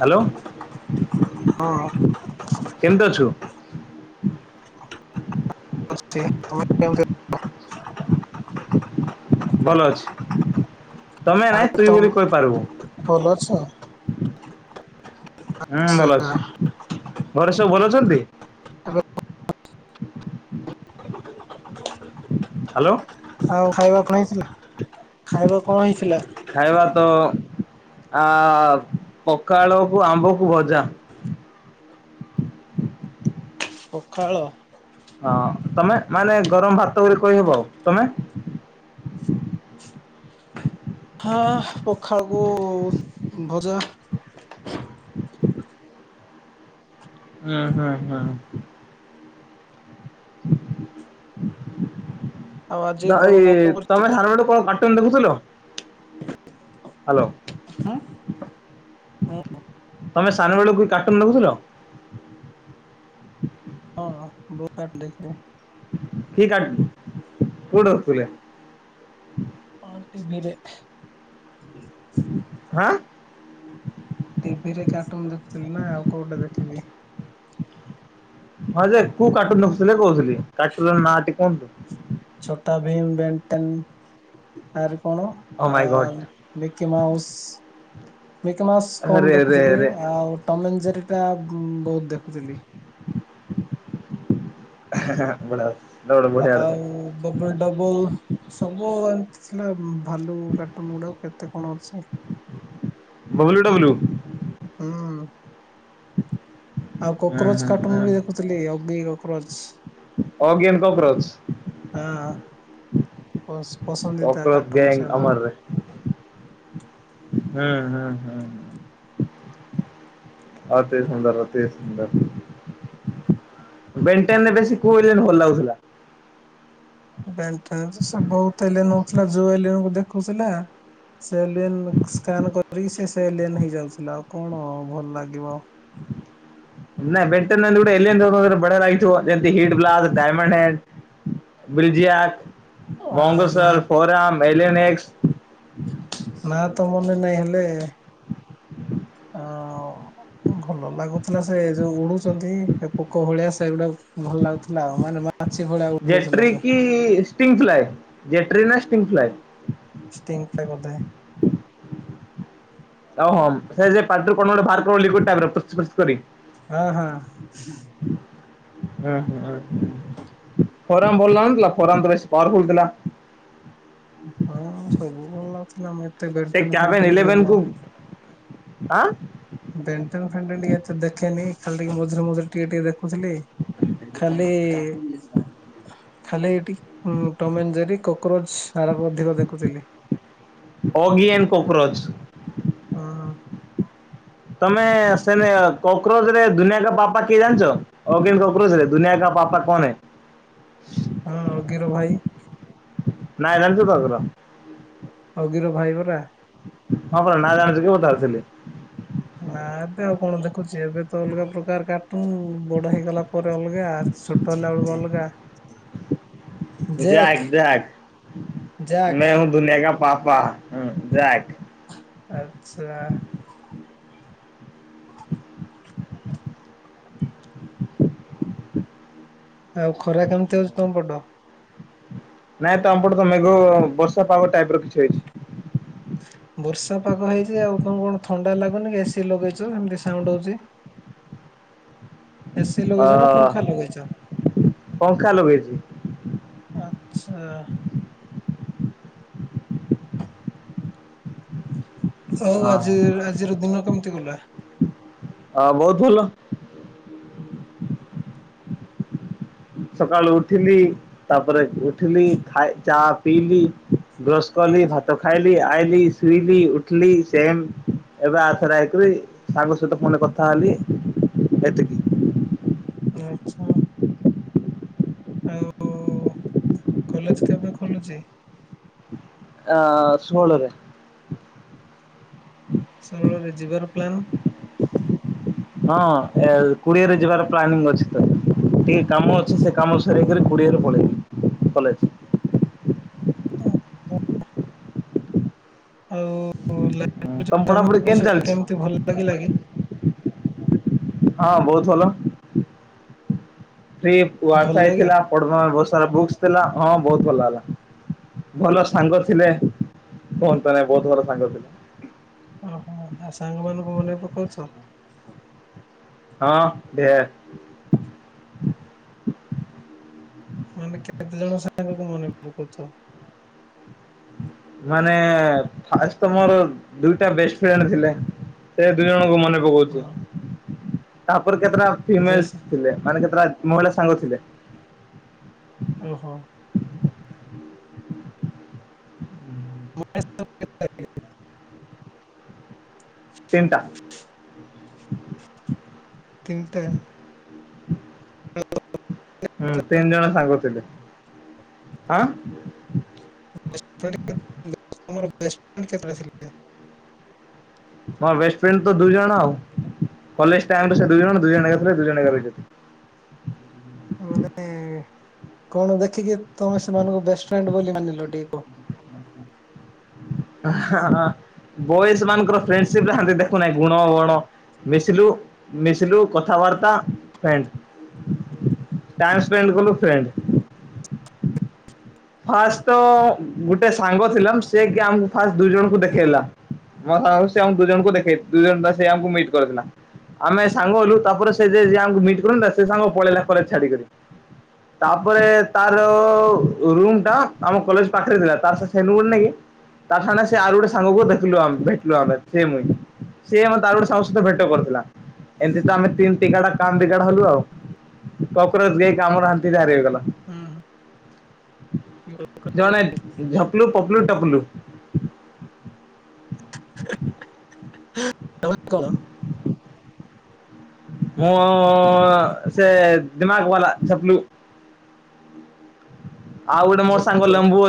Hello ହଁ କେମିତି ଅଛୁ? [inaudible] ଭଲ ଅଛି। ତମେ ନାଇ ଆରେ ତୁଇ ତମ ବୋଲି କହି ପାରିବୁ। ଭଲ ଅଛ? ହୁଁ ଆଚ୍ଛା ଭଲ ଅଛି। ଘରେ ସବୁ ଭଲ ଅଛନ୍ତି? ଏବେ ହ୍ୟାଲୋ। ଆଉ ଖାଇବା କଣ ହେଇଥିଲା? ଖାଇବା କଣ ହେଇଥିଲା? ଖାଇବା ତ ଆ ପଖାଳକୁ ଆମ୍ବ କୁ ଭଜା। ପଖାଳ ହଁ ତମେ ମାନେ ଗରମ ଭାତ ବୋଲି କହିହବ ଆ ତମେ ହଁ ପଖାଳକୁ ଭଜା। ହୁଁ ହୁଁ ହୁଁ ଆଉ ଆଜି କଣ ଏଇ କାମ କରିଛ? ତମେ [unintelligible] [unintelligible] ହ୍ୟାଲୋ [inaudible] ହଁ [inaudible] ହୁଁ। ତମେ ସାନବେଳକୁ କାର୍ଟୁନ ଦେଖୁଥିଲି। ହଁ [unintelligible] କି କାଟ କଉଠି ରଖିଥିଲା। [inaudible] ହଁ ଟି ଭି ରେ। ହୁଁ। ଟିଭିରେ କାଟୁନ ଦେଖୁଥିଲି ନା ଆଉ କୋଉଠି ଦେଖିବି। ହଁ ଯେ କୁ କାର୍ଟୁନ ରଖୁଥିଲେ କହୁଥିଲି। [unintelligible] ଛୋଟା [unintelligible] କଣ ଓ ଆ ମାଇଁ ଗଡ୍। ମିକି ମାଉସ ମ ମାସ କମ ଆରେ ରେ ଦେଖୁଥିଲି ରେ ଆଉ ଟମେଜରିଟା ବହୁତ ଦେଖୁଥିଲି। ହୁ। ଆହା ହା। ଆଉ ଡବଲ ଡବଲ ସବୁ। ସିନା ମୁଁ। ଭାଲୁ କାଟୁନ୍ ଗୁଡ଼ାକ କେତେ କଣ ଅଛି। ବବୁଲ ଡବ୍ଲୁ। ହଁ। ଆଉ ହୁଁ କକରୋଚ କାଟୁନ ହୁଁ ବି ଦେଖୁଥିଲି ଆଗିର। କରଚ। Again cockroach. ହଶ। କକ୍ରୋଚ ଗ୍ୟାଙ୍ଗ ଅମର ରହେ। ହୁଁ ହୁଁ ହୁଁ। ଅତି ସୁନ୍ଦର ଅତି ସୁନ୍ଦର ବେଣ୍ଟେନରେ ବେଶୀ କୁଇଲର୍ ଭଲ ଲାଗୁଥିଲା। ବେଣ୍ଟାଚ [unintelligible] ଯୋଉ ଏଲିଅନ ଦେଖାଉଥିଲା ସେ ଏଲିଅନ ସ୍କାନ କରିକି ସେ ସେଇ ଏଲିଅନ ହେଇଯାଉଥିଲା ଆଉ କଣ ଭଲ ଲାଗିବ। ନାଇଁ ବେଣ୍ଟେନ୍ ଏମିତି ଗୋଟେ ଏଲିଅନ ବଢିଆ ଲାଗିଥିବ ଯେମିତି ହିଟବ୍ଲାଜ୍ ଡାଇମଣ୍ଡଏଣ୍ଡ ବିଲିଜିଆଁନ। ଆ ନା ମଙ୍ଗସଲ ଫୋରାମ୍। Alien X. ମାନେ ନାଇଁ ହେଲେ। ଅ ଭଲ ଲାଗୁ। ନା ସେ ଯୋଉ ଉଡୁଛନ୍ତି ପୋକ ଭଳିଆ ସେଗୁଡା। ଭଲ ଲାଗୁଥିଲା ଆଉ ମାନେ ମାଛି ଭଳିଆ ଉଡୁଥିଲା ଜେଟ୍ର ଯୋଉ କି ଷ୍ଟିଙ୍ଗ ଫ୍ଲାଏ ଜେଟ୍ରି। ଟି ଫ୍ଲାଏ। ଷ୍ଟିଙ୍ଗ ଟା ବୋଧେ। ଓହଁ ସେ ପାଟିରୁ କଣ ଗୋଟେ ବାହାର କଲା ଲିକ୍ୱିଡ ଟାଇପର୍। ହଁ ହଁ। ହୁଁ ହୁଁ ହଁ। ଫୋର ଭଲ ନାହାନ୍ତିଥିଲା ଫୋରା ତ ପାୱାର ଫୁଲ ଥିଲା। ହଁ ସବୁ ଭଲ ଲ। ସିଲମ। ସେ କ୍ୟାବେନ୍ ଏଲେଭେନ୍ କୁ। ଆଁ। ବେଣ୍ଟେନ ଫେଣ୍ଟେନ ଟିକେ ଏତେ ଦେଖେନି ଖାଲି ଟିକେ ମଝିରେ ମଝିରେ ଟିକେ ଦେ। ବୁଝିଲି ଖାଲି। ଖାଲି ଏଠି ଟମ୍ ଆଣ୍ଡ ଜେରୀ କକ୍ରୋଚ୍। ସାରକୁ ଅଧିକ ଦେଖୁଥିଲି। କକ୍ରଜ, ହଁ, ତମେ ସେନ କକୋଚ ରେ ଦୁନିଆ କ ପାପା କିଏ ଜାଣିଛ କୋଚ ରେ ଦୁନିଆ କ ପାପା କୋନ ହେ? ହଁ ଗିରୋ ଭାଇ ନାଇଁ ରାନ୍ଧୁ ତାଘର ଅଗିର ଭାଇ ପରା। ହଁ ପରା ନାଇଁ ରାନ୍ଧୁ ଯିବୁ ତାର ଡେଲି [inaudible] ନା ଏବେ ଆଉ କଣ ଦେଖୁଛି? ଏବେ ତ ଅଲଗା ପ୍ରକାର କାର୍ଟୁନ, ବଡ ହେଇଗଲା ପରେ ଅଲଗା, ଛୋଟ ହେଲା ବେଳକୁ ଅଲଗା। ଯାକ ଜେକ୍ ଯାକ ଜାକ୍ ମେ ହୁଁ ଦୁନିଆ କା ପାପା। ହଁ ଜାକ୍ ଆଚ୍ଛା। ଆଉ ଖରା କେମିତି ହଉଚି ତମ ପଟ? ନାଇଁ ତମପଟେ ତ ମେଘ ଅ ବର୍ଷା ପାଗ ଟାଇପ ର କିଛି ହେଇଛି ବର୍ଷା ପାଗ ହେଇଛି ଆଉ ତମକୁ କଣ ଥଣ୍ଡା ଲାଗୁନି କି ଏସି ଲଗେଇଛ ଏମତି ସାଉଣ୍ଡ ହଉଛି? ଏସି ଅ ଲଗେଇଚ ନା ପଙ୍ଖା ଲଗେଇଚ ପଙ୍ଖା ଲଗେଇଛି ଆଚ୍ଛା! ହଉ ହଁ ଆଜିର୍ ଆଜିର ଦିନ କେମିତି ଗଲା? ହଁ ବହୁତ୍ ଭଲ। ସକାଳୁ ଉଠିଲି, ତାପରେ ଘୃ- ଥିଲପ୍ ଖାଏ ଚାପ୍ ଲି ଲି [inaudible] ବ୍ରସ୍ କଲି ଭାତ ଖାଇଲି ଆଇଲି ଶୁଇଲି ଉଠିଲି ସେମ୍ ଏବେ ଆର୍ ଥରେ ଆଇ କରି ସାଙ୍ଗ ସହିତ ଫୋନ୍ ରେ କଥା ହେଲି ଏତିକି ଆ ଚ୍ଛା ଆଉ! କଲେଜ କେବେ ଖୋଲୁଚି? ଆଁ ସୁହଳରେ ସୁହଳରେ ଯିବାର ପ୍ଲାନ ହଁ ଏ କୁଡିଏରେ ଯିବାର ପ୍ଲାନିଂ ଅଛି ତ, ଟିକେ କାମ ଅଛେ ସେ କାମ ସାରିକରି କୁଡିଏରେ ପଳେଇବି କଲେଜ। ଉଁ ଦପ୍ ଆଉ ଲାଗୁଚି ତମ ପଢାପଢି ତମକୁ ସେମିତି ଚାଲିଛି କେମିତି ଭଲ ଲାଗିଲା କି? ହଁ ବହୁତ ଭଲ। ସେ କୁଆ ଭଲ ଲାଗିଲା ଖାଇଥିଲା ପଡ୍ମାବସ୍ ଏତେ ସାରା ଵୁକ୍ସ ଥିଲା ହଁ ବହୁତ ସାଙ୍ଗ ଥିଲେ କୁହନ୍ତୁ ନାଇଁ ହେ ଭଲ ସାଙ୍ଗ ଥିଲେ ହନ୍ତ ବହୁତ ଭଲ ସାଙ୍ଗ ଥିଲେ ଓହୋ ଆ ସାଙ୍ଗମାନଙ୍କୁ ମନେ ପକାଉଚ! ହଁ ଦେ- ଆମେ କେତେ ଜଣ ସାଙ୍ଗକୁ ମନେ ପକାଉଚ ମାନେ ଫାଷ୍ଟ ତ ମୋର ଦୁଇଟା ବେଷ୍ଟ ଫ୍ରେଣ୍ଡ ଥିଲେ ସେ ଦୁଇ ଜଣଙ୍କୁ ମନେ କଁ ହଁ କହୁଚୁ ତାପ୍ ତର୍ କେତେଟା ଝିଅ ଫିମେଲସ୍ ସ ଥିଲେ ମାନେ କେ ପ୍ରାୟ ମହିଳା ସାଙ୍ଗ ଥିଲେ। ଓହୋ [unintelligible] ତିନଟା ହ ହୁଁ ତିନି ଜଣ ସାଙ୍ଗ ଥିଲେ। ଆଁ [unintelligible] [unintelligible] ମୋର ବେଷ୍ଟ ଫ୍ରେଣ୍ଡ ତ ଦୁଇ ଜଣ ଆଉ କଲେଜ ଟାଇମ ସେ ଦୁଇ ଜଣ ଦୁଇ ଜଣ ଏକା ଥିଲେ ଦୁଇ ଜଣ ଏକା ରହିବେ। ମାନେ କଣ ଦେଖିକି ତମେ ସେମାନଙ୍କୁ ବେଷ୍ଟଫ୍ରେଣ୍ଡ ବୋଲି ମାନିଲ ଟିଏ କୁହ। ହାଁ ହା ବଏସ ମାନଙ୍କର ଫ୍ରେଣ୍ଡସିଫ୍ ନାହାଁନ୍ତି ଦେଖୁନାହିଁ ଗୁଣ ବଣ ମିଶିଲୁ ମିଶିଲୁ କଥାବାର୍ତ୍ତା ଫ୍ରେଣ୍ଡ୍ ଟାଇମସ୍ପେଣ୍ଡକଲୁ ଫ୍ରେଣ୍ଡ୍। ଫାଷ୍ଟ ତ ଗୋଟେ ସାଙ୍ଗ ଥିଲା ସେ କି ଆମକୁ ଫାଷ୍ଟ ଦୁଇ ଜଣଙ୍କୁ ଦେଖେଇଲା ମୋ ସା ଆମ ଦୁ ଜଣଙ୍କୁ ଦେଖେଇ ଦ ଜଣ ସେମକୁ ମିଟ୍ କରିଥିଲା ଆମେ ସାଙ୍ଗ ହେଲୁ ତାପରେ ସେ ଯେ ଯିଏଆମକୁ ମିଟ କରୁନେ ସେ ସାଙ୍ଗ ପଳେଇଲା କଲେଜ ଛାଡିିକରି ତାପରେ ତାର ରୁମ ଟା ଆମ କଲେଜ ପାଖରେ ଥିଲା ତାରସେ ସେଲୁନ୍ ନାଇକି ତା ସାଙ୍ଗେ ଆର ଗୋଟେ ସାଙ୍ଗକୁ ଦେଖିଲୁେ ଆମେ ଭେଟିଲୁ ଆମେ ସେ ମୁଇଁ ସେ ଆଉ ତାର ଗୋଟେ ସାଙ୍ଗ ସହିତ ଭେଟ କରିଥିଲା ଏମିତି ତ ଆମେ ତିନି ଟାଟା କାମ ଦ କାଟା ହେଲୁ ଆଉ କକୋଚାଇକି ଆମରା [inaudible] ହଁ। ଜଣେ ଝପଲୁ ପପଲୁ ଟପଲୁ। [inaudible] ମୁଁ ସେ ଦିମାଗ ବାଲା ଚପଲୁ। ଆଉ ଗୋଟେ ମୋର ସାଙ୍ଗ କଣ ଲମ୍ୱୁ